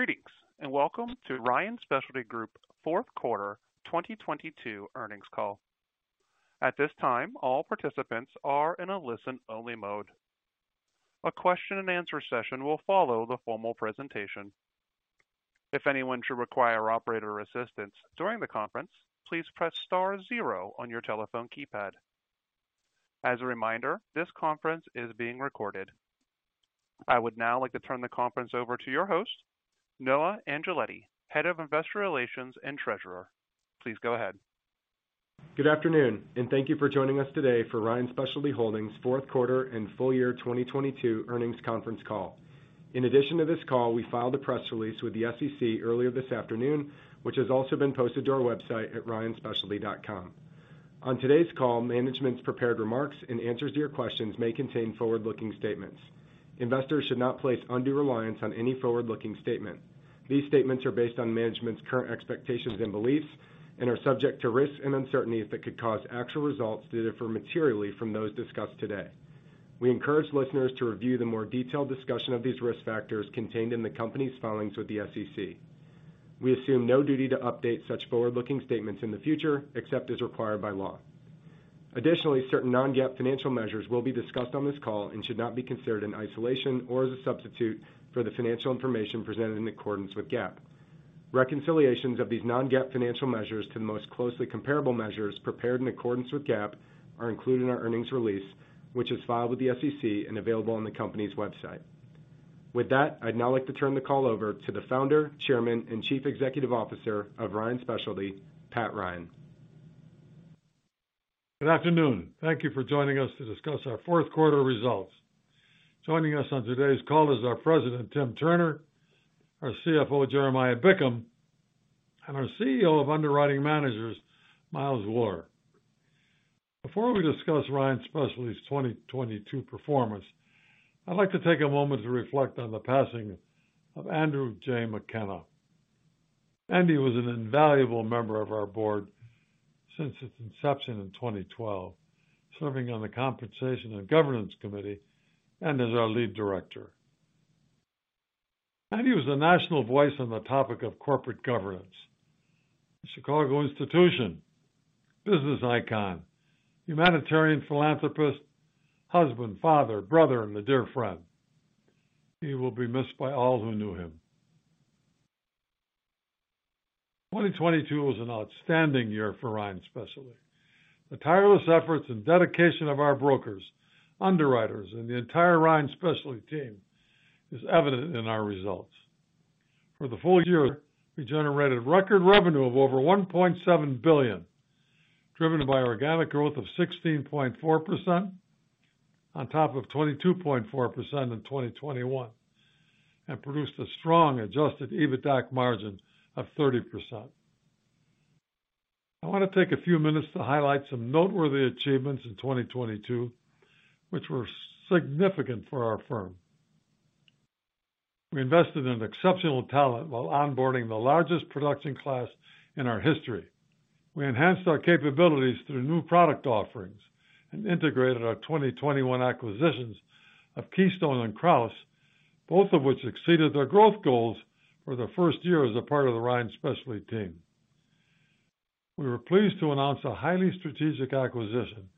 Greetings, welcome to Ryan Specialty Group Q4 2022 earnings call. At this time, all participants are in a listen-only mode. A question-and-answer session will follow the formal presentation. If anyone should require operator assistance during the conference, please press star zero on your telephone keypad. As a reminder, this conference is being recorded. I would now like to turn the conference over to your host, Noah Angeletti, Head of Investor Relations and Treasurer. Please go ahead. Good afternoon. Thank you for joining us today for Ryan Specialty Holdings Q4 and full year 2022 earnings conference call. In addition to this call, we filed a press release with the SEC earlier this afternoon, which has also been posted to our website at ryanspecialty.com. On today's call, management's prepared remarks and answers to your questions may contain forward-looking statements. Investors should not place undue reliance on any forward-looking statement. These statements are based on management's current expectations and beliefs and are subject to risks and uncertainties that could cause actual results to differ materially from those discussed today. We encourage listeners to review the more detailed discussion of these risk factors contained in the company's filings with the SEC. We assume no duty to update such forward-looking statements in the future except as required by law. Additionally, certain non-GAAP financial measures will be discussed on this call and should not be considered in isolation or as a substitute for the financial information presented in accordance with GAAP. Reconciliations of these non-GAAP financial measures to the most closely comparable measures prepared in accordance with GAAP are included in our earnings release, which is filed with the SEC and available on the company's website. With that, I'd now like to turn the call over to the Founder, Chairman, and Chief Executive Officer of Ryan Specialty, Pat Ryan. Good afternoon. Thank you for joining us to discuss our Q4 results. Joining us on today's call is our President, Tim Turner, our CFO, Jeremiah Bickham, and our CEO of Underwriting Managers, Miles Wuller. Before we discuss Ryan Specialty's 2022 performance, I'd like to take a moment to reflect on the passing of Andrew J. McKenna. Andy was an invaluable member of our board since its inception in 2012, serving on the Compensation and Governance Committee and as our lead director. Andy was a national voice on the topic of corporate governance, a Chicago institution, business icon, humanitarian philanthropist, husband, father, brother, and a dear friend. He will be missed by all who knew him. 2022 was an outstanding year for Ryan Specialty. The tireless efforts and dedication of our brokers, underwriters, and the entire Ryan Specialty team is evident in our results. For the full year, we generated record revenue of over $1.7 billion, driven by organic growth of 16.4% on top of 22.4% in 2021. Produced a strong Adjusted EBITDAC margin of 30%. I wanna take a few minutes to highlight some noteworthy achievements in 2022, which were significant for our firm. We invested in exceptional talent while onboarding the largest production class in our history. We enhanced our capabilities through new product offerings and integrated our 2021 acquisitions of Keystone and Crouse, both of which exceeded their growth goals for their first year as a part of the Ryan Specialty team. We were pleased to announce a highly strategic acquisition,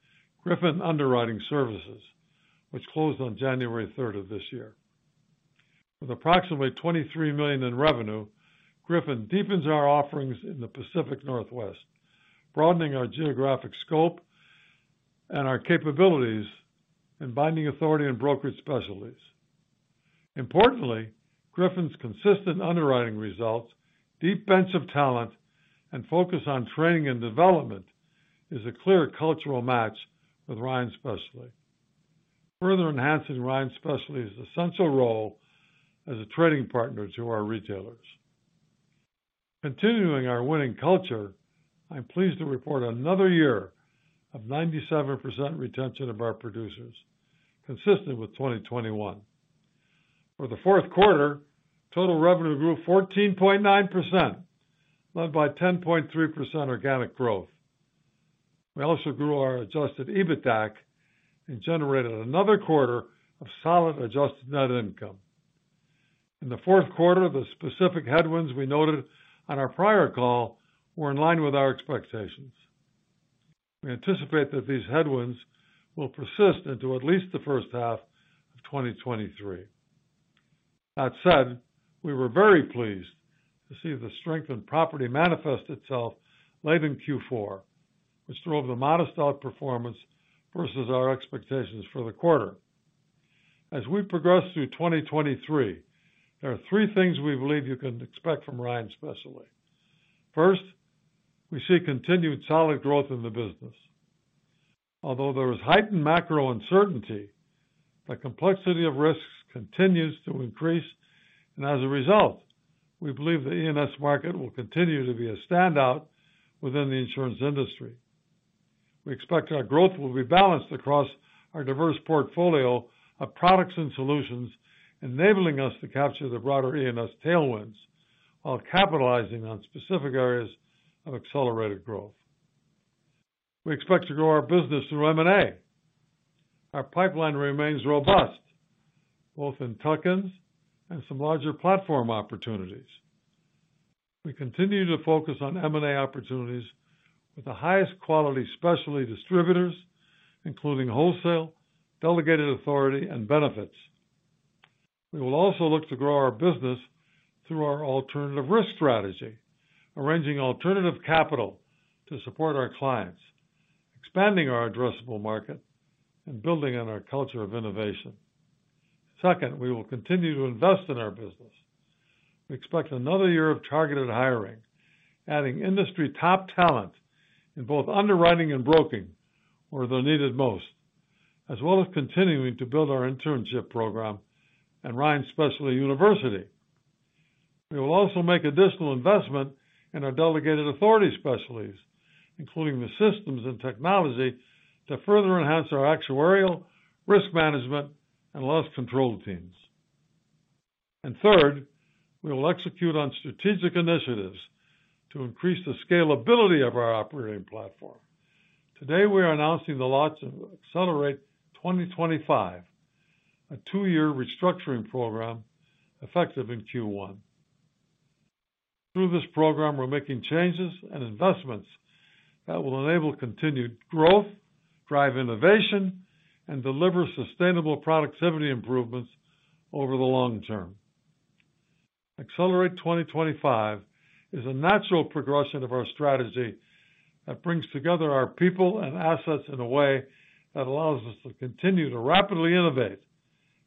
Griffin Underwriting Services, which closed on January 3rd of this year. With approximately $23 million in revenue, Griffin deepens our offerings in the Pacific Northwest, broadening our geographic scope and our capabilities in binding authority and brokerage specialties. Importantly, Griffin's consistent underwriting results, deep bench of talent, and focus on training and development is a clear cultural match with Ryan Specialty, further enhancing Ryan Specialty's essential role as a trading partner to our retailers. Continuing our winning culture, I'm pleased to report another year of 97% retention of our producers, consistent with 2021. For the Q4, total revenue grew 14.9%, led by 10.3% organic growth. We also grew our Adjusted EBITDAC and generated another quarter of solid adjusted net income. In the Q4, the specific headwinds we noted on our prior call were in line with our expectations. We anticipate that these headwinds will persist into at least the H1 of 2023. That said, we were very pleased to see the strength in property manifest itself late in Q4, which drove the modest outperformance versus our expectations for the quarter. As we progress through 2023, there are three things we believe you can expect from Ryan Specialty. First, we see continued solid growth in the business. Although there is heightened macro uncertainty, the complexity of risks continues to increase, and as a result, we believe the E&S market will continue to be a standout within the insurance industry. We expect our growth will be balanced across our diverse portfolio of products and solutions, enabling us to capture the broader E&S tailwinds while capitalizing on specific areas of accelerated growth. We expect to grow our business through M&A. Our pipeline remains robust, both in tuck-ins and some larger platform opportunities. We continue to focus on M&A opportunities with the highest quality specialty distributors, including wholesale, delegated authority, and benefits. We will also look to grow our business through our alternative risk strategy, arranging alternative capital to support our clients, expanding our addressable market and building on our culture of innovation. Second, we will continue to invest in our business. We expect another year of targeted hiring, adding industry top talent in both underwriting and broking where they're needed most, as well as continuing to build our internship program and Ryan Specialty University. We will also make additional investment in our delegated authority specialties, including the systems and technology to further enhance our actuarial risk management and loss control teams. Third, we will execute on strategic initiatives to increase the scalability of our operating platform. Today, we are announcing the launch of ACCELERATE 2025, a 2-year restructuring program effective in Q1. Through this program, we're making changes and investments that will enable continued growth, drive innovation, and deliver sustainable productivity improvements over the long term. ACCELERATE 2025 is a natural progression of our strategy that brings together our people and assets in a way that allows us to continue to rapidly innovate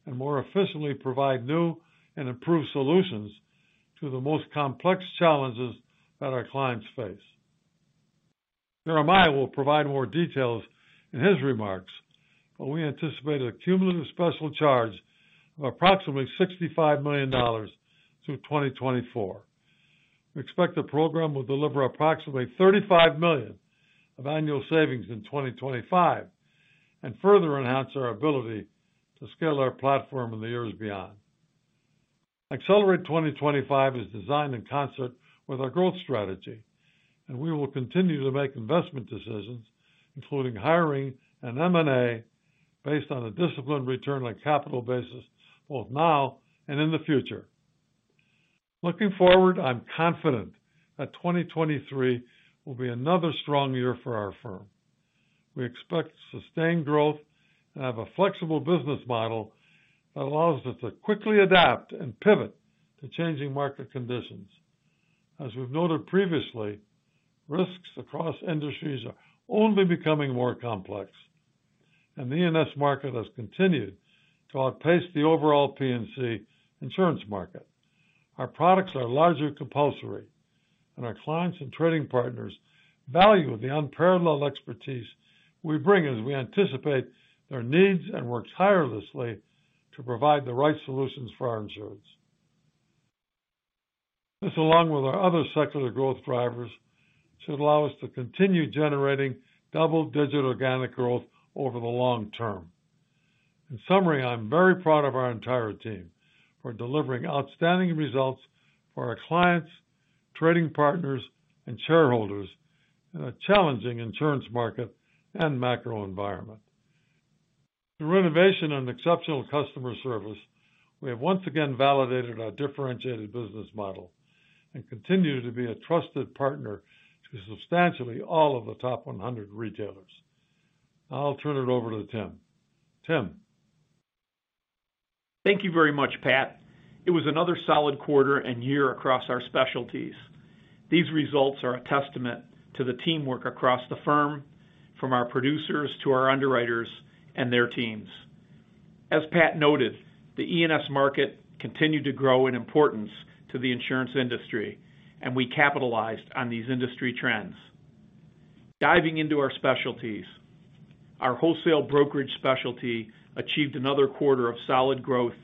and more efficiently provide new and improved solutions to the most complex challenges that our clients face. Jeremiah will provide more details in his remarks, but we anticipate a cumulative special charge of approximately $65 million through 2024. We expect the program will deliver approximately $35 million of annual savings in 2025 and further enhance our ability to scale our platform in the years beyond. ACCELERATE 2025 is designed in concert with our growth strategy. We will continue to make investment decisions, including hiring and M&A based on a disciplined return on capital basis both now and in the future. Looking forward, I'm confident that 2023 will be another strong year for our firm. We expect sustained growth and have a flexible business model that allows us to quickly adapt and pivot to changing market conditions. As we've noted previously, risks across industries are only becoming more complex. The E&S market has continued to outpace the overall P&C insurance market. Our products are largely compulsory. Our clients and trading partners value the unparalleled expertise we bring as we anticipate their needs and works tirelessly to provide the right solutions for our insurers. This, along with our other secular growth drivers, should allow us to continue generating double-digit organic growth over the long term. In summary, I'm very proud of our entire team for delivering outstanding results for our clients, trading partners, and shareholders in a challenging insurance market and macro environment. Through innovation and exceptional customer service, we have once again validated our differentiated business model and continue to be a trusted partner to substantially all of the top 100 retailers. I'll turn it over to Tim. Tim. Thank you very much, Pat. It was another solid quarter and year across our specialties. These results are a testament to the teamwork across the firm, from our producers to our underwriters and their teams. As Pat noted, the E&S market continued to grow in importance to the insurance industry, and we capitalized on these industry trends. Diving into our specialties. Our wholesale brokerage specialty achieved another quarter of solid growth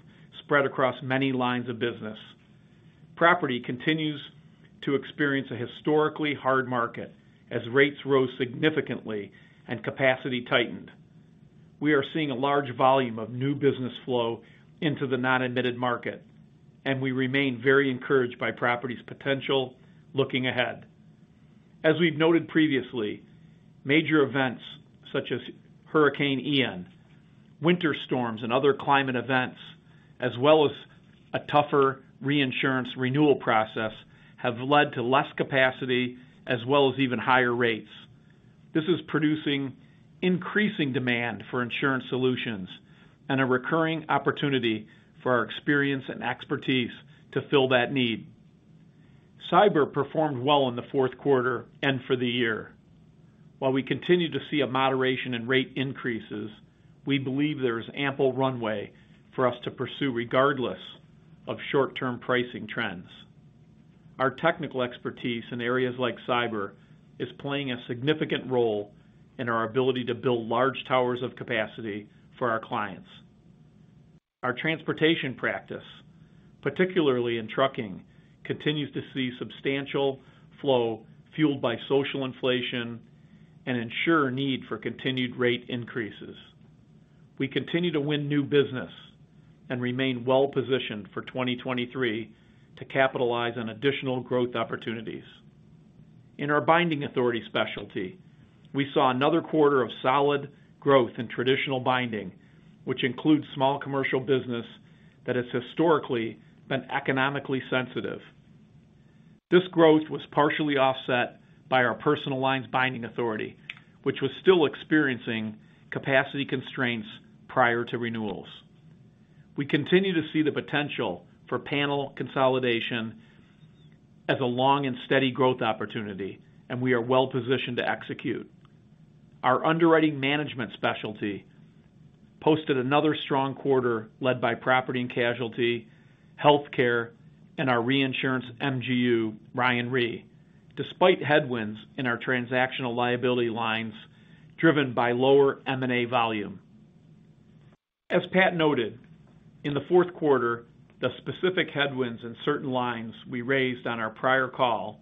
spread across many lines of business. Property continues to experience a historically hard market as rates rose significantly and capacity tightened. We are seeing a large volume of new business flow into the non-admitted market, and we remain very encouraged by property's potential looking ahead. As we've noted previously, major events such as Hurricane Ian, winter storms, and other climate events, as well as a tougher reinsurance renewal process, have led to less capacity as well as even higher rates. This is producing increasing demand for insurance solutions and a recurring opportunity for our experience and expertise to fill that need. Cyber performed well in the Q4 and for the year. While we continue to see a moderation in rate increases, we believe there is ample runway for us to pursue regardless of short-term pricing trends. Our technical expertise in areas like cyber is playing a significant role in our ability to build large towers of capacity for our clients. Our transportation practice, particularly in trucking, continues to see substantial flow fueled by social inflation and ensure need for continued rate increases. We continue to win new business and remain well-positioned for 2023 to capitalize on additional growth opportunities. In our binding authority specialty, we saw another quarter of solid growth in traditional binding, which includes small commercial business that has historically been economically sensitive. This growth was partially offset by our personal lines binding authority, which was still experiencing capacity constraints prior to renewals. We continue to see the potential for panel consolidation as a long and steady growth opportunity. We are well-positioned to execute. Our underwriting management specialty posted another strong quarter led by property and casualty, healthcare, and our reinsurance MGU, Ryan Re, despite headwinds in our transactional liability lines driven by lower M&A volume. As Pat noted, in the Q4, the specific headwinds in certain lines we raised on our prior call,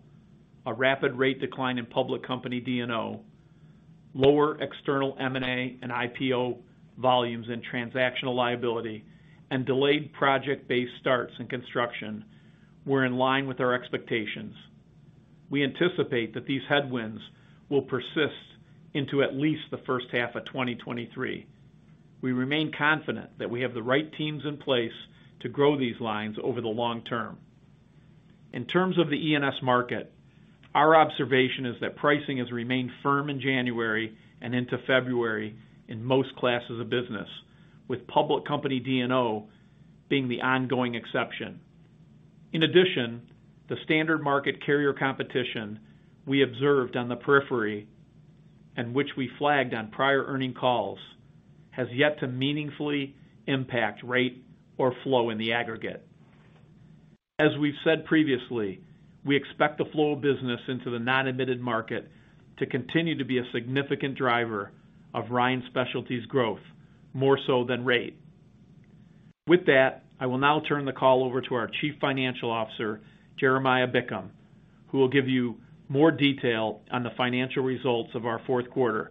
a rapid rate decline in public company D&O, lower external M&A and IPO volumes in transactional liability, and delayed project-based starts in construction were in line with our expectations. We anticipate that these headwinds will persist into at least the H1 of 2023. We remain confident that we have the right teams in place to grow these lines over the long term. In terms of the E&S market, our observation is that pricing has remained firm in January and into February in most classes of business, with public company D&O being the ongoing exception. The standard market carrier competition we observed on the periphery, and which we flagged on prior earnings calls, has yet to meaningfully impact rate or flow in the aggregate. As we've said previously, we expect the flow of business into the non-admitted market to continue to be a significant driver of Ryan Specialty's growth, more so than rate. With that, I will now turn the call over to our Chief Financial Officer, Jeremiah Bickham, who will give you more detail on the financial results of our Q4.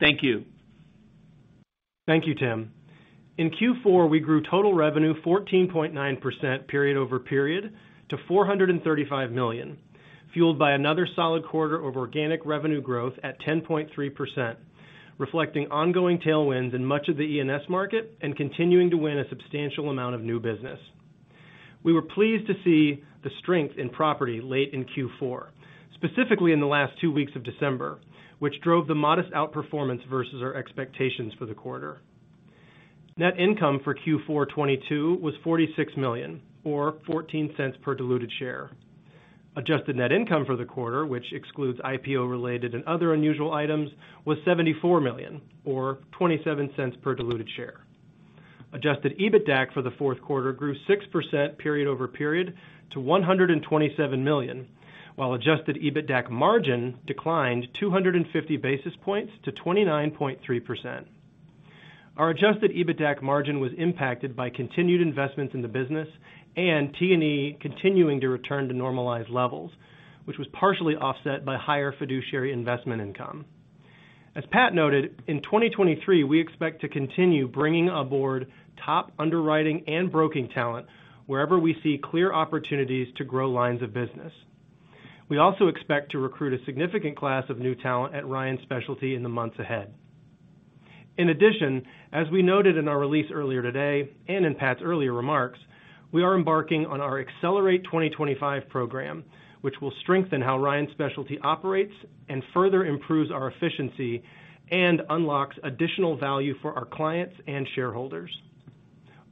Thank you. Thank you, Tim. In Q4, we grew total revenue 14.9% period-over-period to $435 million, fueled by another solid quarter of organic revenue growth at 10.3%, reflecting ongoing tailwinds in much of the E&S market and continuing to win a substantial amount of new business. We were pleased to see the strength in property late in Q4, specifically in the last two weeks of December, which drove the modest outperformance versus our expectations for the quarter. Net income for Q4 2022 was $46 million or $0.14 per diluted share. Adjusted net income for the quarter, which excludes IPO-related and other unusual items, was $74 million or $0.27 per diluted share. Adjusted EBITDAC for the Q4 grew 6% period-over-period to $127 million, while Adjusted EBITDAC margin declined 250 basis points to 29.3%. Our Adjusted EBITDAC margin was impacted by continued investments in the business and T&E continuing to return to normalized levels, which was partially offset by higher fiduciary investment income. As Pat noted, in 2023, we expect to continue bringing aboard top underwriting and broking talent wherever we see clear opportunities to grow lines of business. We also expect to recruit a significant class of new talent at Ryan Specialty in the months ahead. As we noted in our release earlier today and in Pat's earlier remarks, we are embarking on our ACCELERATE 2025 program, which will strengthen how Ryan Specialty operates and further improves our efficiency and unlocks additional value for our clients and shareholders.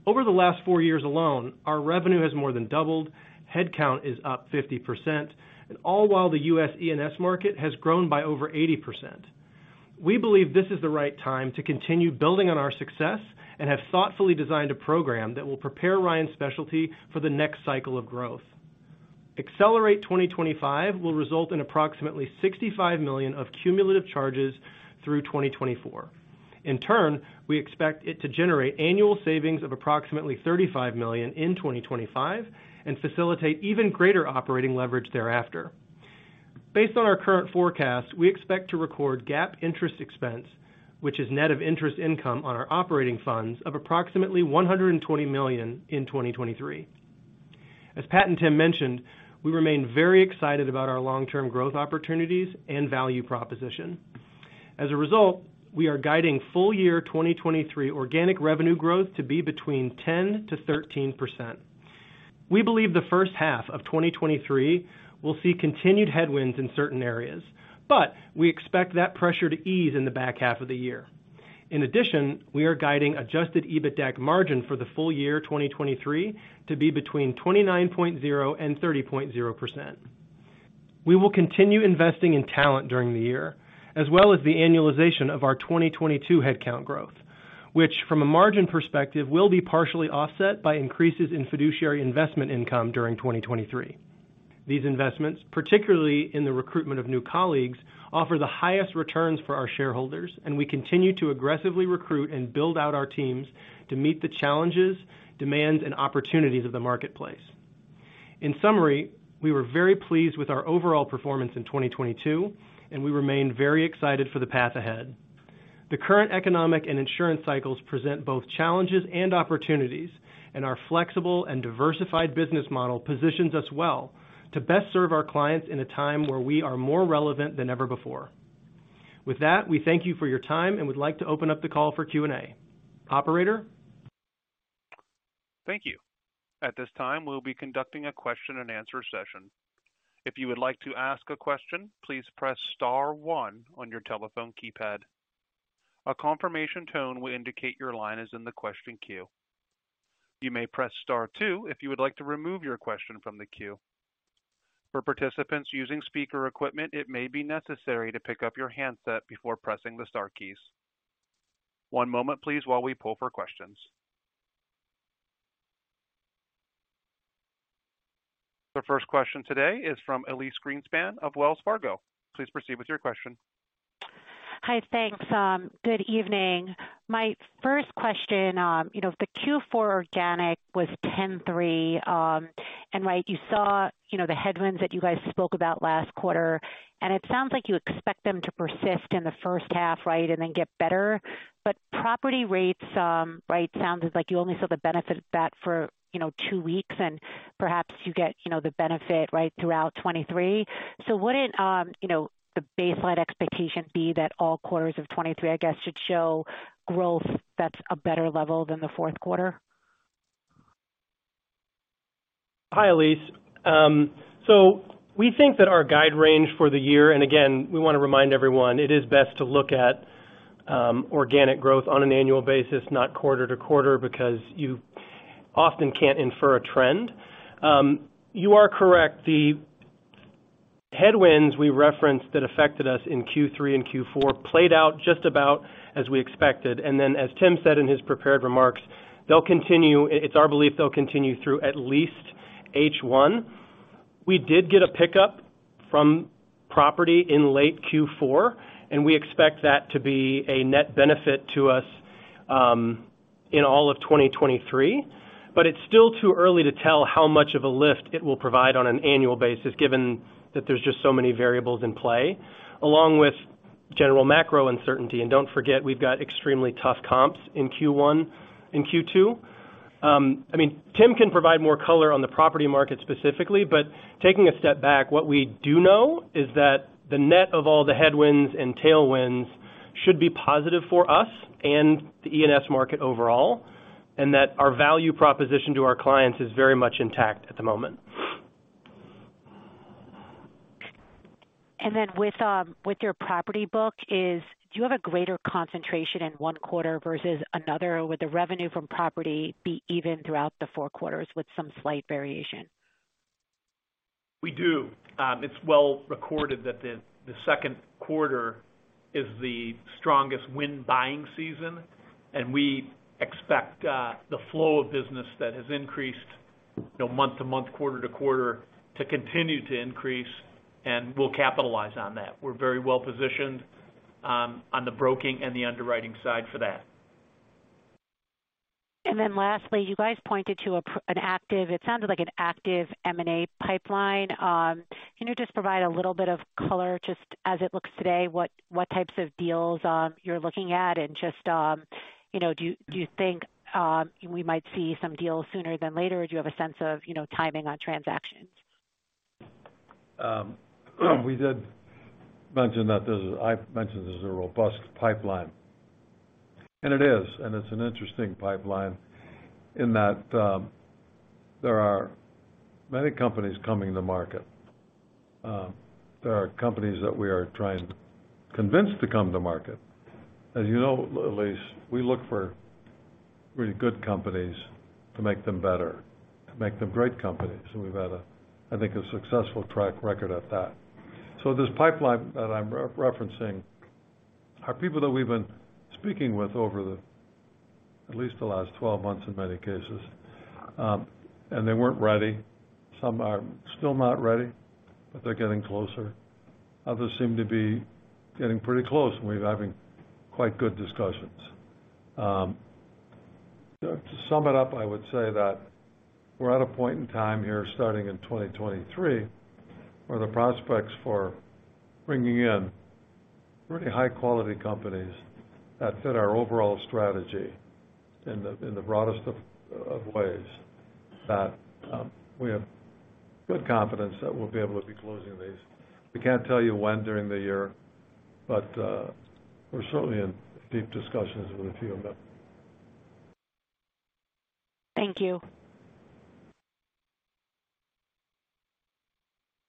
Over the last four years alone, our revenue has more than doubled. Headcount is up 50% all while the U.S. E&S market has grown by over 80%. We believe this is the right time to continue building on our success and have thoughtfully designed a program that will prepare Ryan Specialty for the next cycle of growth. ACCELERATE 2025 will result in approximately $65 million of cumulative charges through 2024. We expect it to generate annual savings of approximately $35 million in 2025 and facilitate even greater operating leverage thereafter. Based on our current forecast, we expect to record GAAP interest expense, which is net of interest income on our operating funds of approximately $120 million in 2023. As Pat and Tim mentioned, we remain very excited about our long-term growth opportunities and value proposition. As a result, we are guiding full year 2023 organic revenue growth to be between 10%-13%. We believe the H1 of 2023 will see continued headwinds in certain areas, but we expect that pressure to ease in the back half of the year. In addition, we are guiding Adjusted EBITDAC margin for the full year 2023 to be between 29.0% and 30.0%. We will continue investing in talent during the year as well as the annualization of our 2022 headcount growth, which, from a margin perspective, will be partially offset by increases in fiduciary investment income during 2023. These investments, particularly in the recruitment of new colleagues, offer the highest returns for our shareholders. We continue to aggressively recruit and build out our teams to meet the challenges, demands, and opportunities of the marketplace. In summary, we were very pleased with our overall performance in 2022, and we remain very excited for the path ahead. The current economic and insurance cycles present both challenges and opportunities, and our flexible and diversified business model positions us well to best serve our clients in a time where we are more relevant than ever before. With that, we thank you for your time and would like to open up the call for Q&A. Operator? Thank you. At this time, we'll be conducting a question and answer session. If you would like to ask a question, please press star one on your telephone keypad. A confirmation tone will indicate your line is in the question queue. You may press star two if you would like to remove your question from the queue. For participants using speaker equipment, it may be necessary to pick up your handset before pressing the star keys. One moment please while we pull for questions. The first question today is from Elyse Greenspan of Wells Fargo. Please proceed with your question. Hi. Thanks. Good evening. My first question, you know, the Q4 organic was 10.3%. Right, you saw, you know, the headwinds that you guys spoke about last quarter, and it sounds like you expect them to persist in the H1, right, and then get better. Property rates, right, sounds as like you only saw the benefit of that for, you know, two weeks and perhaps you get, you know, the benefit, right, throughout 2023. Wouldn't, you know, the baseline expectation be that all quarters of 2023, I guess, should show growth that's a better level than the Q4? Hi, Elyse. We think that our guide range for the year, and again, we want to remind everyone it is best to look at organic growth on an annual basis, not quarter to quarter, because you often can't infer a trend. You are correct. The headwinds we referenced that affected us in Q3 and Q4 played out just about as we expected. As Tim said in his prepared remarks, they'll continue. It's our belief they'll continue through at least H1. We did get a pickup from property in late Q4. We expect that to be a net benefit to us in all of 2023. It's still too early to tell how much of a lift it will provide on an annual basis, given that there's just so many variables in play, along with general macro uncertainty. Don't forget, we've got extremely tough comps in Q1 and Q2. I mean, Tim can provide more color on the property market specifically, but taking a step back, what we do know is that the net of all the headwinds and tailwinds should be positive for us and the E&S market overall, and that our value proposition to our clients is very much intact at the moment. With your property book is, do you have a greater concentration in one quarter versus another? Would the revenue from property be even throughout the four quarters with some slight variation? We do. It's well recorded that the Q2 is the strongest wind buying season. We expect the flow of business that has increased, you know, month-to-month, quarter-to-quarter to continue to increase. We'll capitalize on that. We're very well positioned on the broking and the underwriting side for that. Lastly, you guys pointed to an active, it sounded like an active M&A pipeline. Can you just provide a little bit of color just as it looks today? What types of deals you're looking at? Just, you know, do you think we might see some deals sooner than later? Or do you have a sense of, you know, timing on transactions? We did mention that I've mentioned this is a robust pipeline, and it is, and it's an interesting pipeline in that there are many companies coming to market. There are companies that we are trying to convince to come to market. As you know, Elyse, we look for really good companies to make them better, to make them great companies. We've had a, I think, a successful track record at that. This pipeline that I'm re-referencing are people that we've been speaking with over the at least the last 12 months in many cases, and they weren't ready. Some are still not ready, but they're getting closer. Others seem to be getting pretty close, and we're having quite good discussions. To sum it up, I would say that we're at a point in time here, starting in 2023, where the prospects for bringing in really high-quality companies that fit our overall strategy in the broadest of ways, that we have good confidence that we'll be able to be closing these. We can't tell you when during the year, but we're certainly in deep discussions with a few of them. Thank you.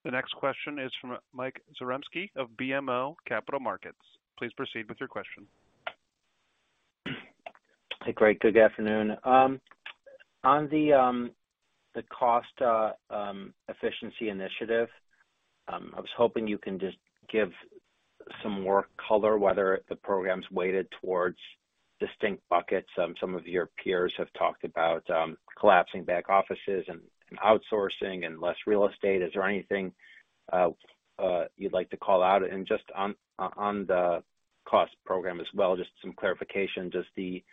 The next question is from Mike Zaremski of BMO Capital Markets. Please proceed with your question. Hey, great. Good afternoon. On the cost efficiency initiative, I was hoping you can just give some more color whether the program's weighted towards distinct buckets. Some of your peers have talked about collapsing back-offices and outsourcing and less real estate. Is there anything you'd like to call out? Just on the cost program as well, just some clarification, just the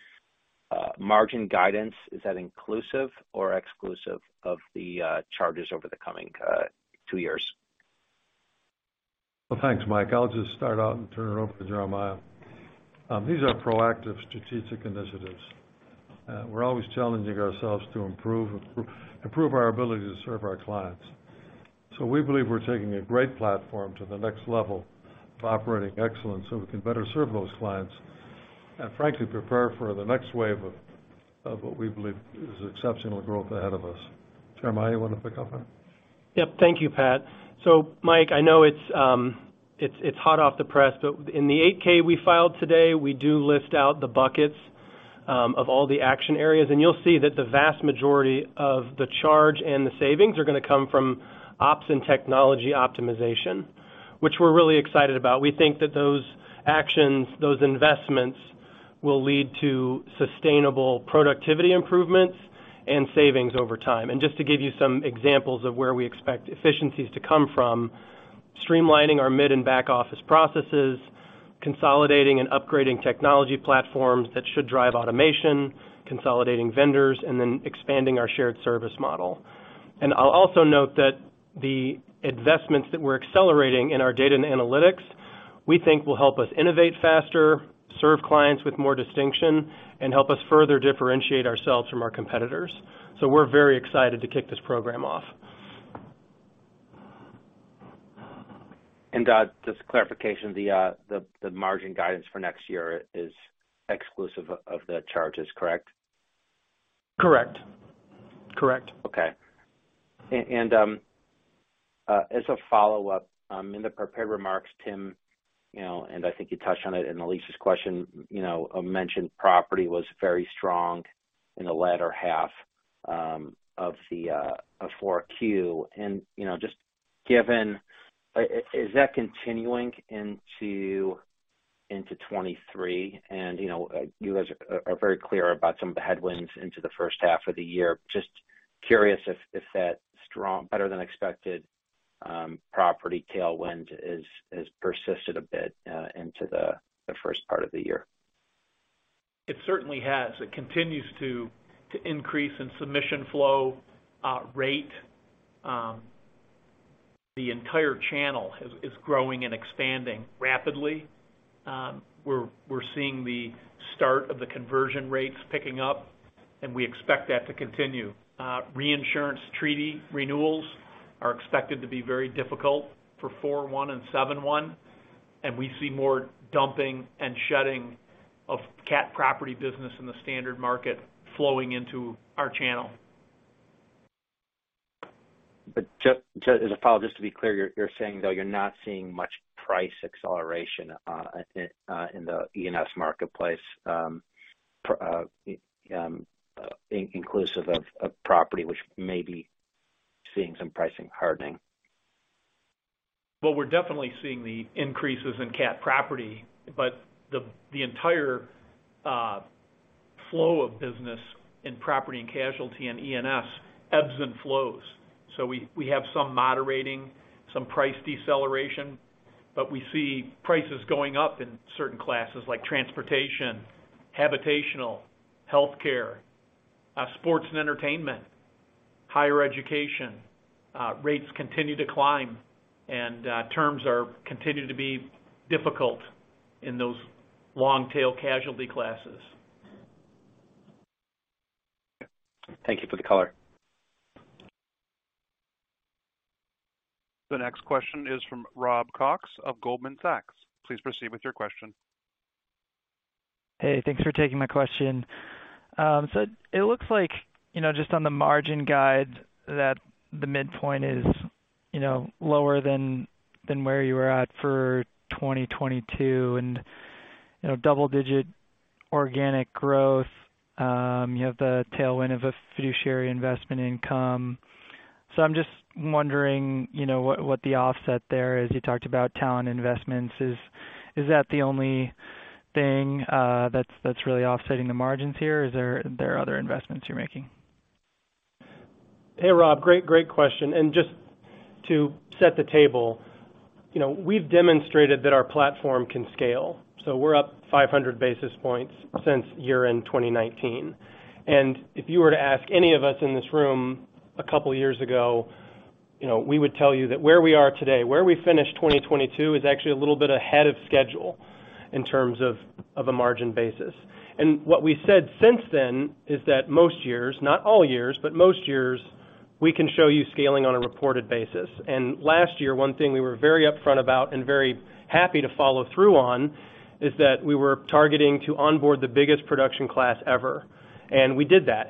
margin guidance, is that inclusive or exclusive of the charges over the coming two years? Well, thanks, Mike. I'll just start out and turn it over to Jeremiah. These are proactive strategic initiatives. We're always challenging ourselves to improve our ability to serve our clients. We believe we're taking a great platform to the next level of operating excellence, so we can better serve those clients. Frankly, prepare for the next wave of what we believe is exceptional growth ahead of us. Jeremiah, you wanna pick up on it? Yep. Thank you, Pat. Mike, I know it's hot off the press, but in the 8-K we filed today, we do list out the buckets of all the action areas. You'll see that the vast majority of the charge and the savings are gonna come from ops and technology optimization, which we're really excited about. We think that those actions, those investments will lead to sustainable productivity improvements and savings over time. Just to give you some examples of where we expect efficiencies to come from, streamlining our mid and back office processes, consolidating and upgrading technology platforms that should drive automation, consolidating vendors, and then expanding our shared service model. I'll also note that the investments that we're accelerating in our data and analytics, we think will help us innovate faster, serve clients with more distinction, and help us further differentiate ourselves from our competitors. We're very excited to kick this program off. Just clarification, the margin guidance for next year is exclusive of the charges, correct? Correct. Correct. Okay. As a follow-up, in the prepared remarks, Tim, you know, and I think you touched on it in Elyse's question, you know, mentioned property was very strong in the latter half of Q4. You know, just given, is that continuing into 2023? You know, you guys are very clear about some of the headwinds into the H1 of the year. Just curious if that strong, better-than-expected, property tailwind has persisted a bit into the first part of the year. It certainly has. It continues to increase in submission flow rate. The entire channel is growing and expanding rapidly. We're seeing the start of the conversion rates picking up, and we expect that to continue. Reinsurance treaty renewals are expected to be very difficult for 4/1 and 7/1, and we see more dumping and shedding of cat property business in the standard market flowing into our channel. As a follow-up, just to be clear, you're saying, though, you're not seeing much price acceleration in the E&S marketplace, inclusive of property, which may be seeing some pricing hardening. We're definitely seeing the increases in cat property, but the entire flow of business in property and casualty and E&S ebbs and flows. We have some moderating, some price deceleration, but we see prices going up in certain classes like transportation, habitational, healthcare, sports and entertainment, higher education. Rates continue to climb and terms are continuing to be difficult in those long-tail casualty classes. Thank you for the color. The next question is from Rob Cox of Goldman Sachs. Please proceed with your question. Hey, thanks for taking my question. It looks like, you know, just on the margin guide, that the midpoint is, you know, lower than where you were at for 2022. You know, double-digit organic growth, you have the tailwind of a fiduciary investment income. I'm just wondering, you know, what the offset there is. You talked about talent investments. Is that the only thing that's really offsetting the margins here? Are there other investments you're making? Hey, Rob. Great question. Just to set the table, you know, we've demonstrated that our platform can scale. We're up 500 basis points since year-end 2019. If you were to ask any of us in this room a couple years ago, you know, we would tell you that where we are today, where we finished 2022 is actually a little bit ahead of schedule in terms of a margin basis. What we said since then is that most years, not all years, but most years, we can show you scaling on a reported basis. Last year, one thing we were very upfront about and very happy to follow through on, is that we were targeting to onboard the biggest production class ever, and we did that.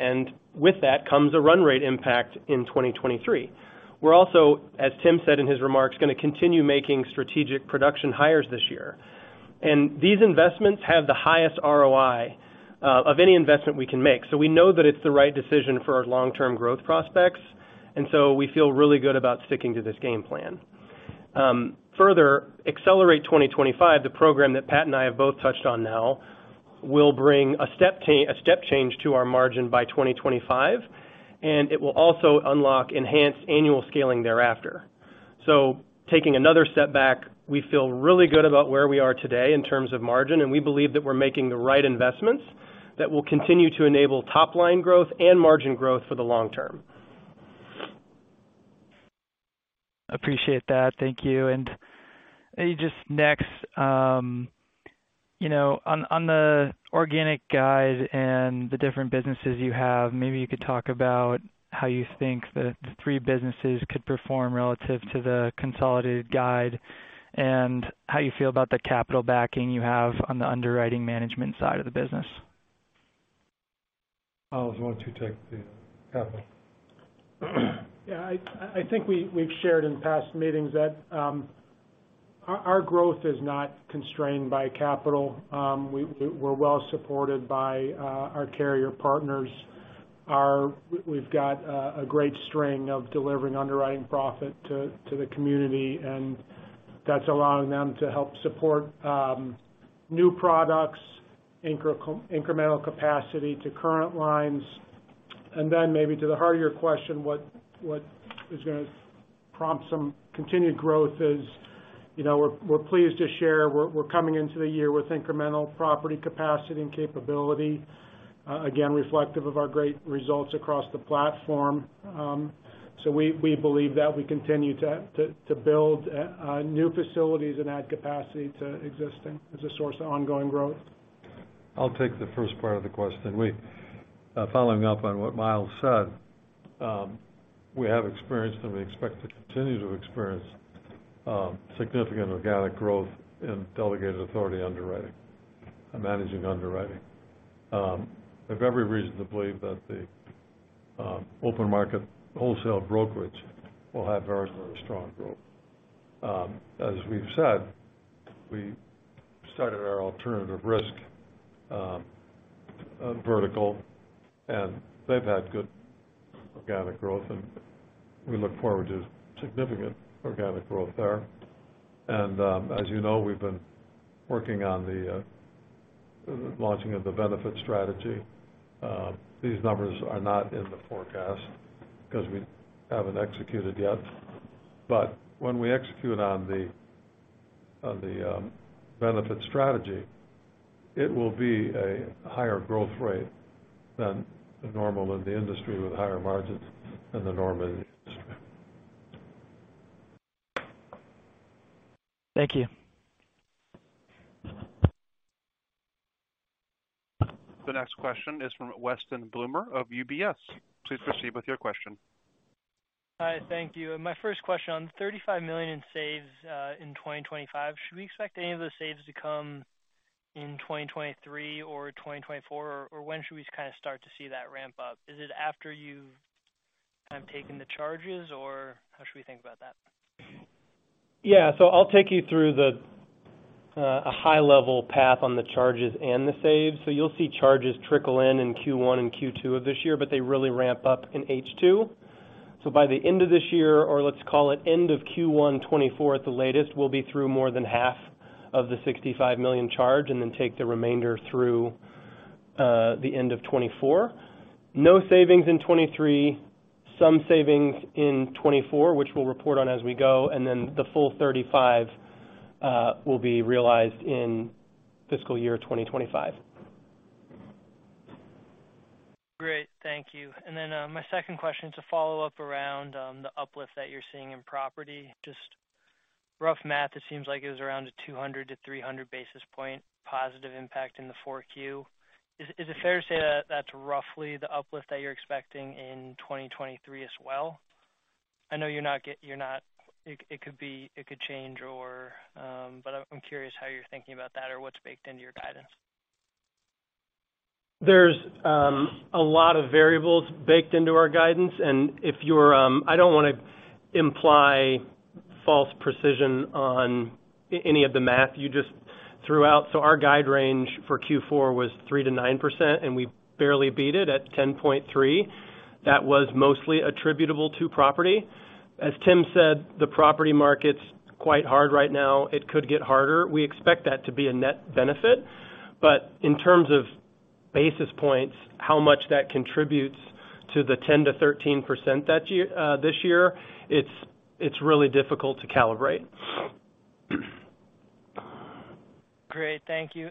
With that comes a run rate impact in 2023. We're also, as Tim said in his remarks, gonna continue making strategic production hires this year. These investments have the highest ROI of any investment we can make. We know that it's the right decision for our long-term growth prospects, and we feel really good about sticking to this game plan. Further, ACCELERATE 2025, the program that Pat and I have both touched on now, will bring a step change to our margin by 2025, and it will also unlock enhanced annual scaling thereafter. So taking another step back, we feel really good about where we are today in terms of margin, and we believe that we're making the right investments that will continue to enable top line growth and margin growth for the long term. Appreciate that. Thank you. Just next, you know, on the organic guide and the different businesses you have, maybe you could talk about how you think the three businesses could perform relative to the consolidated guide and how you feel about the capital backing you have on the underwriting management side of the business. Miles, why don't you take the capital? Yeah, I think we've shared in past meetings that our growth is not constrained by capital. We're well supported by our carrier partners. We've got a great string of delivering underwriting profit to the community, and that's allowing them to help support new products, incremental capacity to current lines. Maybe to the heart of your question, what is gonna prompt some continued growth is, you know, we're pleased to share, we're coming into the year with incremental property capacity and capability, again, reflective of our great results across the platform. We believe that we continue to build new facilities and add capacity to existing as a source of ongoing growth. I'll take the first part of the question. Following up on what Miles said, we have experienced and we expect to continue to experience, significant organic growth in delegated authority underwriting and managing underwriting. We have every reason to believe that the open market wholesale brokerage will have very, very strong growth. As we've said, we started our alternative risk vertical, and they've had good organic growth, and we look forward to significant organic growth there. As you know, we've been working on the launching of the benefit strategy. These numbers are not in the forecast because we haven't executed yet. But when we execute on the benefit strategy, it will be a higher growth rate than the normal in the industry, with higher margins than the normal in the industry. Thank you. The next question is from Weston Bloomer of UBS. Please proceed with your question. Hi. Thank you. My first question, on $35 million in saves, in 2025, should we expect any of those saves to come in 2023 or 2024? When should we kind of start to see that ramp up? Is it after you've kind of taken the charges, or how should we think about that? Yeah. I'll take you through the a high level path on the charges and the saves. You'll see charges trickle in in Q1 and Q2 of this year, but they really ramp up in H2. By the end of this year, or let's call it end of Q1 2024 at the latest, we'll be through more than half of the $65 million charge and then take the remainder through the end of 2024. No savings in 2023, some savings in 2024, which we'll report on as we go, and then the full $35 million will be realized in fiscal year 2025. Great. Thank you. My second question is a follow-up around the uplift that you're seeing in property. Just rough math, it seems like it was around a 200 basis points-300 basis point positive impact in the Q4. Is it fair to say that that's roughly the uplift that you're expecting in 2023 as well? I know it could be, it could change or, but I'm curious how you're thinking about that or what's baked into your guidance. There's a lot of variables baked into our guidance and if you're, I don't wanna imply false precision on any of the math you just threw out. Our guide range for Q4 was 3%-9%, and we barely beat it at 10.3%. That was mostly attributable to property. As Tim said, the property market's quite hard right now. It could get harder. We expect that to be a net benefit. In terms of basis points, how much that contributes to the 10%-13% that year, this year, it's really difficult to calibrate. Great. Thank you.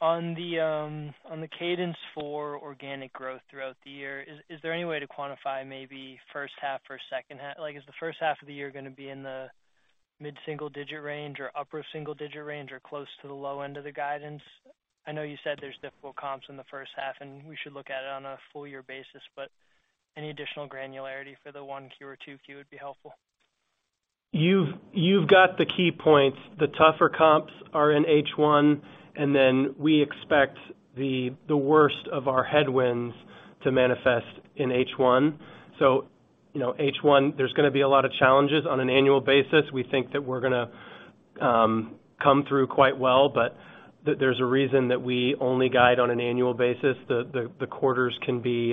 On the cadence for organic growth throughout the year, is there any way to quantify maybe H1 or H2? Like, is the H1 of the year gonna be in the mid-single digit range or upper single digit range or close to the low end of the guidance? I know you said there's difficult comps in the H1, and we should look at it on a full year basis, but any additional granularity for the Q1 or Q2 would be helpful. the key points. The tougher comps are in H1, and then we expect the worst of our headwinds to manifest in H1. So, you know, H1, there's going to be a lot of challenges on an annual basis. We think that we're going to come through quite well, but there's a reason that we only guide on an annual basis. The quarters can be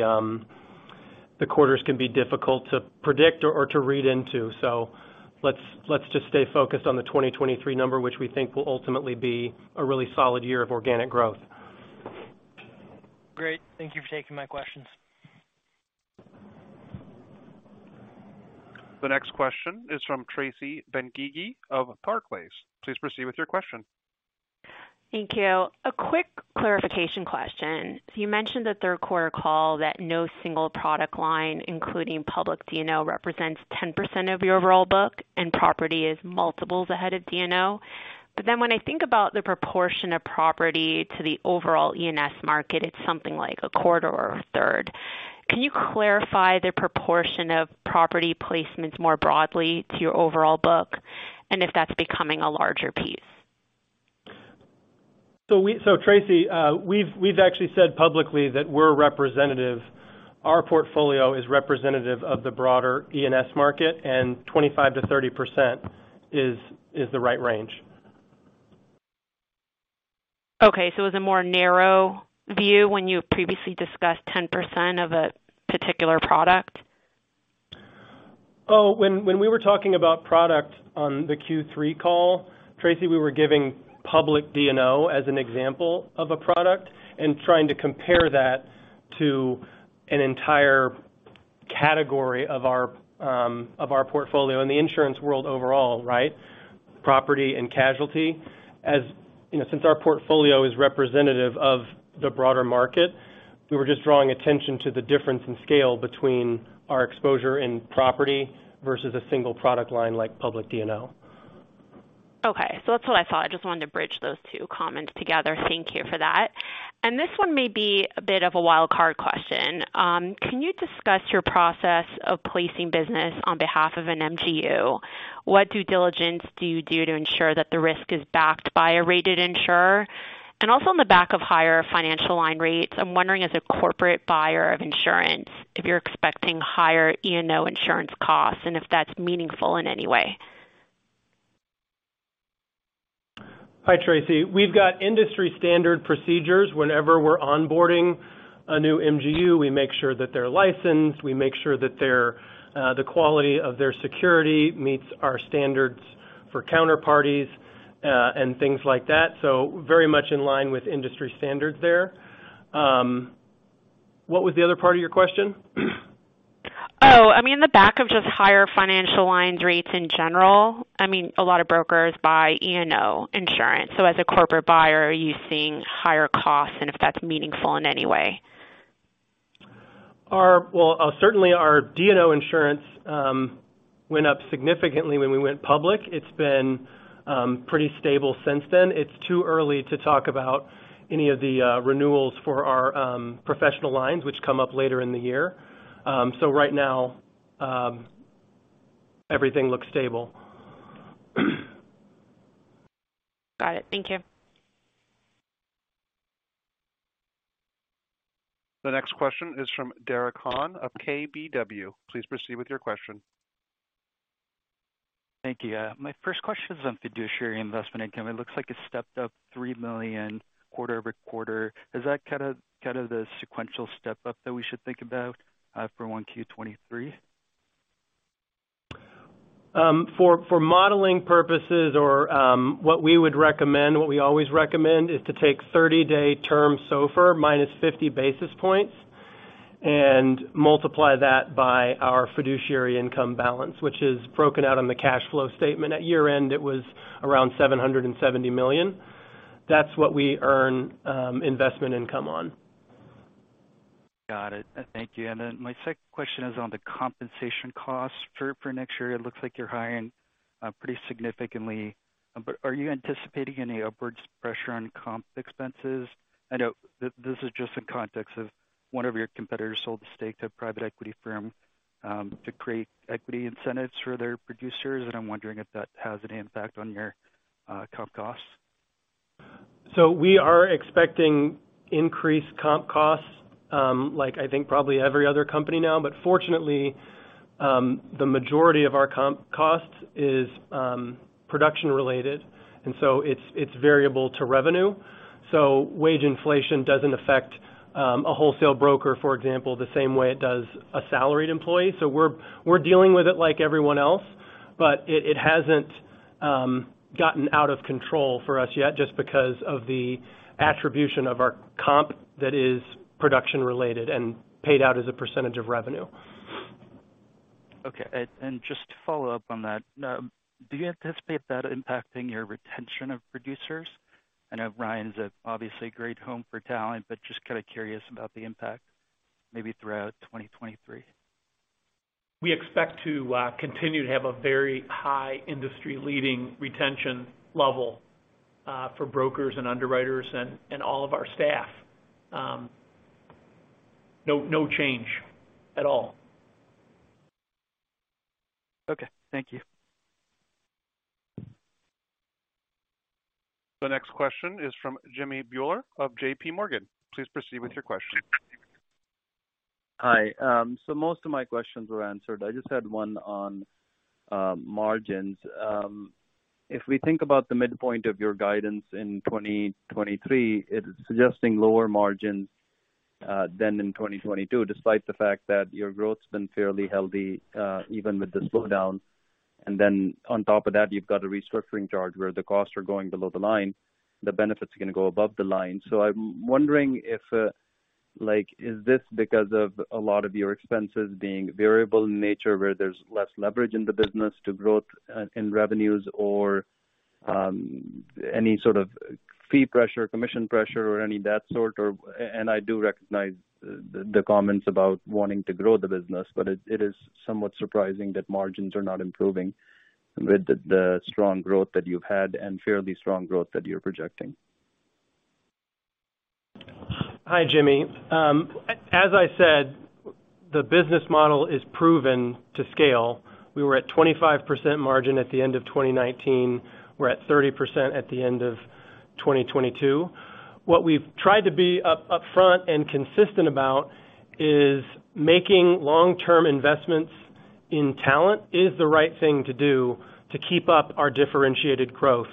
difficult to predict or to read into. So let's just stay focused on the 2023 number, which we think will ultimately be a really solid year of organic growth Great. Thank you for taking my questions. The next question is from Tracy Benguigui of Barclays. Please proceed with your question. Thank you. A quick clarification question. You mentioned the Q3 call that no single product line, including Public D&O, represents 10% of your overall book and property is multiples ahead of D&O. When I think about the proportion of property to the overall E&S market, it's something like a quarter or a third. Can you clarify the proportion of property placements more broadly to your overall book, and if that's becoming a larger piece? Tracy, we've actually said publicly that we've actually said publicly that we're representative. Our portfolio is representative of the broader E&S market, and 25%-30% is the right range. Okay. It was a more narrow view when you previously discussed 10% of a particular product? When we were talking about product on the Q3 call, Tracy, we were giving Public D&O as an example of a product and trying to compare that to an entire category of our portfolio in the insurance world overall, right? Property and casualty. You know, since our portfolio is representative of the broader market, we were just drawing attention to the difference in scale between our exposure in property versus a single product line like Public D&O. That's what I thought. I just wanted to bridge those two comments together. Thank you for that. This one may be a bit of a wild card question. Can you discuss your process of placing business on behalf of an MGU? What due diligence do you do to ensure that the risk is backed by a rated insurer? Also on the back of higher financial line rates, I'm wondering as a corporate buyer of insurance, if you're expecting higher E&O insurance costs and if that's meaningful in any way. Hi, Tracy. We've got industry standard procedures. Whenever we're onboarding a new MGU, we make sure that they're licensed, we make sure that their the quality of their security meets our standards for counterparties, and things like that. Very much in line with industry standards there. What was the other part of your question? I mean in the back of just higher financial lines rates in general. I mean, a lot of brokers buy E&O insurance, so as a corporate buyer, are you seeing higher costs, and if that's meaningful in any way? Well, certainly our D&O insurance went up significantly when we went public. It's been pretty stable since then. It's too early to talk about any of the renewals for our professional lines which come up later in the year. Right now, everything looks stable. Got it. Thank you. The next question is from Derek Horn of KBW. Please proceed with your question. Thank you. My first question is on fiduciary investment income. It looks like it stepped up $3 million quarter-over-quarter. Is that kind of the sequential step-up that we should think about for Q1 2023? For modeling purposes or, what we would recommend, what we always recommend, is to take 30-day term SOFR -50 basis points and multiply that by our fiduciary income balance, which is broken out on the cash flow statement. At year-end, it was around $770 million. That's what we earn investment income on. Got it. Thank you. My second question is on the compensation costs for next year. It looks like you're hiring, pretty significantly, but are you anticipating any upwards pressure on comp expenses? I know this is just in context of one of your competitors sold the stake to a private equity firm, to create equity incentives for their producers, and I'm wondering if that has any impact on your, comp costs? We are expecting increased comp costs, like I think probably every other company now. Fortunately, the majority of our comp costs is production related, and so it's variable to revenue. Wage inflation doesn't affect a wholesale broker, for example, the same way it does a salaried employee. We're, we're dealing with it like everyone else, but it hasn't gotten out of control for us yet just because of the attribution of our comp that is production related and paid out as a percentage of revenue. Okay. Just to follow up on that, do you anticipate that impacting your retention of producers? I know Ryan Specialty's obviously a great home for talent, but just kind of curious about the impact maybe throughout 2023. We expect to continue to have a very high industry leading retention level for brokers and underwriters and all of our staff. No, no change at all. Okay, thank you. The next question is from Jimmy Bhullar of JPMorgan. Please proceed with your question. Hi. Most of my questions were answered. I just had one on margins. If we think about the midpoint of your guidance in 2023, it is suggesting lower margins than in 2022, despite the fact that your growth's been fairly healthy even with the slowdown. Then on top of that, you've got a restructuring charge where the costs are going below the line, the benefits are gonna go above the line. I'm wondering if, like, is this because of a lot of your expenses being variable in nature, where there's less leverage in the business to growth in revenues or any sort of fee pressure, commission pressure or any of that sort? Or? I do recognize the comments about wanting to grow the business, but it is somewhat surprising that margins are not improving with the strong growth that you've had and fairly strong growth that you're projecting. Hi, Jimmy. As I said, the business model is proven to scale. We were at 25% margin at the end of 2019. We're at 30% at the end of 2022. What we've tried to be upfront and consistent about is making long-term investments in talent is the right thing to do to keep up our differentiated growth.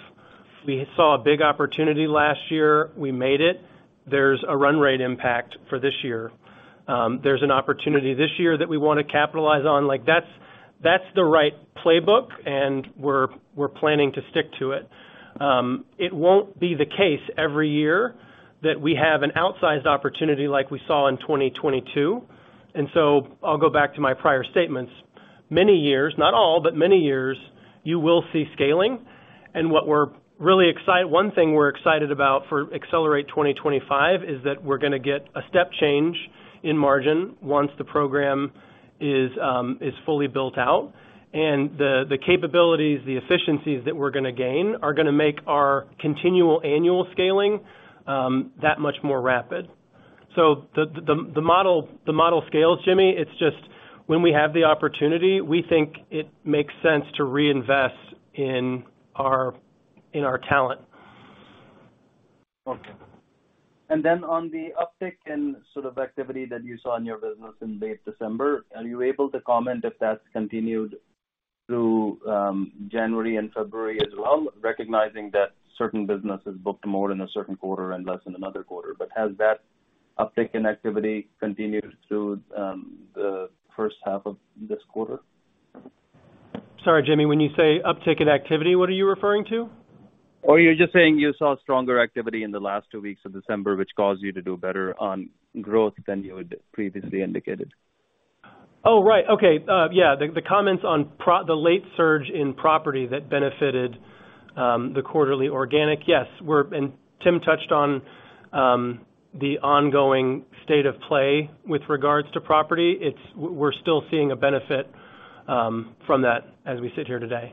We saw a big opportunity last year. We made it. There's a run rate impact for this year. There's an opportunity this year that we wanna capitalize on. Like, that's the right playbook, and we're planning to stick to it. It won't be the case every year that we have an outsized opportunity like we saw in 2022. I'll go back to my prior statements. Many years, not all, but many years, you will see scaling. One thing we're excited about for ACCELERATE 2025 is that we're gonna get a step change in margin once the program is fully built out. The capabilities, the efficiencies that we're gonna gain are gonna make our continual annual scaling, that much more rapid. The model scales, Jimmy. It's just when we have the opportunity, we think it makes sense to reinvest in our, in our talent. Okay. On the uptick in sort of activity that you saw in your business in late December, are you able to comment if that's continued through January and February as well, recognizing that certain businesses booked more in a certain quarter and less in another quarter. Has that uptick in activity continued through the H1 of this quarter? Sorry, Jimmy. When you say uptick in activity, what are you referring to? You're just saying you saw stronger activity in the last two weeks of December, which caused you to do better on growth than you had previously indicated. Oh, right. Okay. Yeah, the comments on the late surge in property that benefited the quarterly organic. Yes, Tim touched on the ongoing state of play with regards to property. We're still seeing a benefit from that as we sit here today.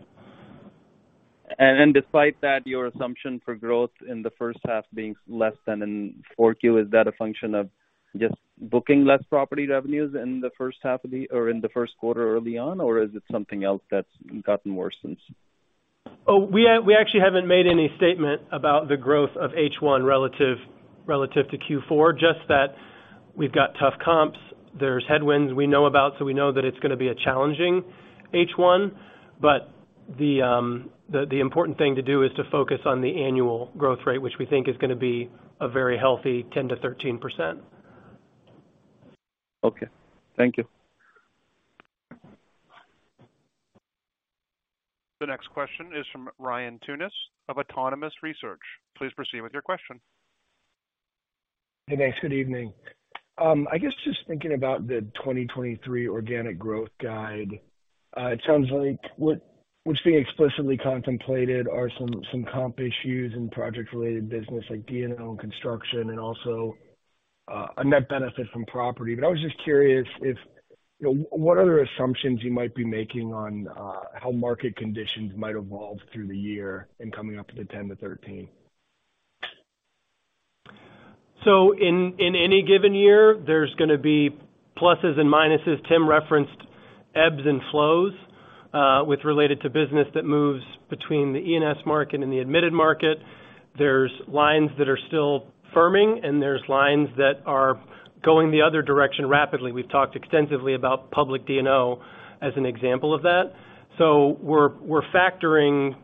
Despite that, your assumption for growth in the H1 being less than in Q4, is that a function of just booking less property revenues in the H1 or in the Q1 early on, or is it something else that's gotten worse since? We actually haven't made any statement about the growth of H1 relative to Q4, just that we've got tough comps. There's headwinds we know about, so we know that it's gonna be a challenging H1. The important thing to do is to focus on the annual growth rate, which we think is gonna be a very healthy 10%-13%. Okay. Thank you. The next question is from Ryan Tunis of Autonomous Research. Please proceed with your question. Hey, thanks. Good evening. I guess just thinking about the 2023 organic growth guide, it sounds like what's being explicitly contemplated are some comp issues and project-related business like D&O and construction and also, a net benefit from property. I was just curious if, you know, what other assumptions you might be making on how market conditions might evolve through the year and coming up to the 10%-13%. In any given year, there's gonna be pluses and minuses. Tim referenced ebbs and flows with related to business that moves between the E&S market and the admitted market. There's lines that are still firming, and there's lines that are going the other direction rapidly. We've talked extensively about Public D&O as an example of that. We're factoring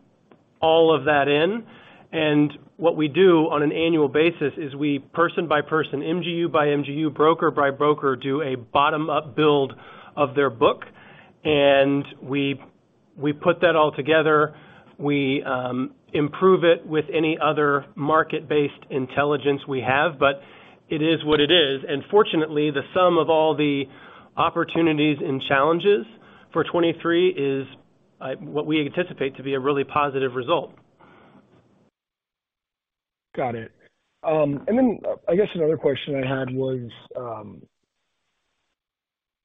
all of that in. What we do on an annual basis is we person by person, MGU by MGU, broker by broker, do a bottom-up build of their book, and we put that all together. We improve it with any other market-based intelligence we have, but it is what it is. Fortunately, the sum of all the opportunities and challenges for 2023 is what we anticipate to be a really positive result. Got it. I guess another question I had was,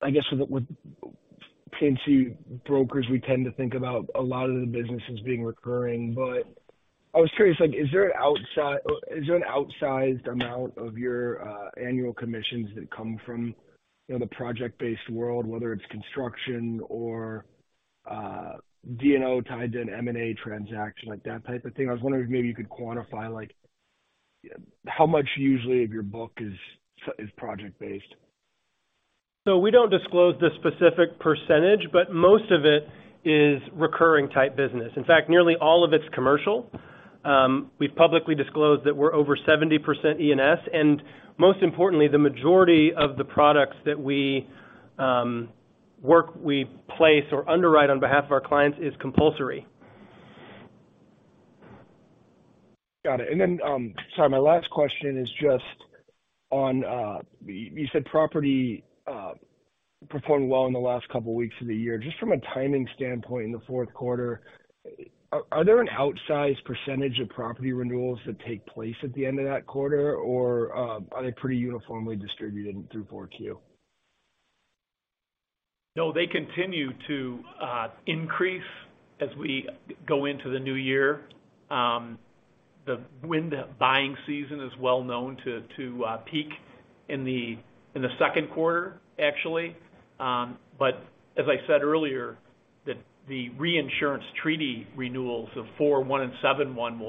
I guess with P&C brokers, we tend to think about a lot of the businesses being recurring. But I was curious, like, is there an outsized amount of your annual commissions that come from, you know, the project-based world, whether it's construction or D&O tied to an M&A transaction, like that type of thing? I was wondering if maybe you could quantify, like, how much usually of your book is project-based. We don't disclose the specific percentage, but most of it is recurring type business. In fact, nearly all of it's commercial. We've publicly disclosed that we're over 70% E&S, and most importantly, the majority of the products that we place or underwrite on behalf of our clients is compulsory. Got it. Sorry, my last question is just on, you said property performed well in the last couple weeks of the year. Just from a timing standpoint in the Q4, are there an outsized percentage of property renewals that take place at the end of that quarter or are they pretty uniformly distributed through Q4? They continue to increase as we go into the new year. The wind buying season is well known to peak in the Q2 actually. As I said earlier, the reinsurance treaty renewals of 4/1 and 7/1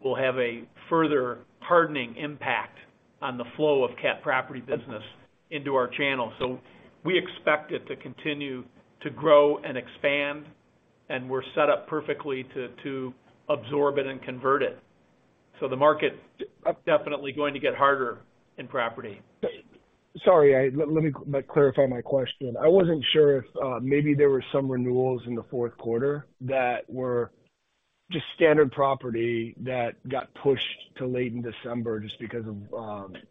will have a further hardening impact on the flow of cat property business into our channel. We expect it to continue to grow and expand, and we're set up perfectly to absorb it and convert it. The market definitely going to get harder in property. Sorry, let me clarify my question. I wasn't sure if maybe there were some renewals in the Q4 that were just standard property that got pushed to late in December just because of,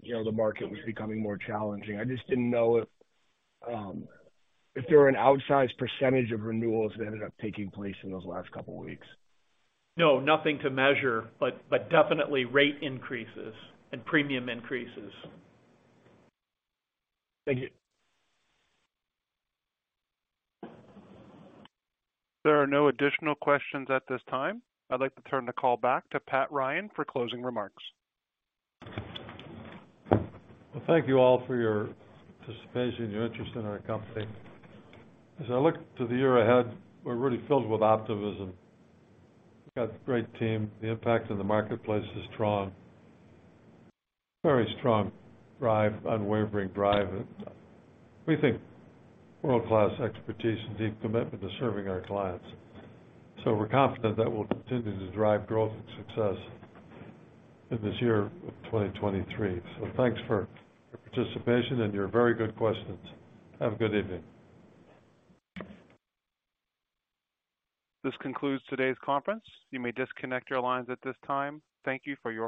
you know, the market was becoming more challenging. I just didn't know if there were an outsized percentage of renewals that ended up taking place in those last couple weeks. No, nothing to measure, but definitely rate increases and premium increases. Thank you. There are no additional questions at this time. I'd like to turn the call back to Pat Ryan for closing remarks. Well, thank you all for your participation and your interest in our company. As I look to the year ahead, we're really filled with optimism. Got great team. The impact in the marketplace is strong. Very strong drive, unwavering drive. We think world-class expertise and deep commitment to serving our clients. We're confident that we'll continue to drive growth and success in this year of 2023. Thanks for your participation and your very good questions. Have a good evening. This concludes today's conference. You may disconnect your lines at this time. Thank you for your participation.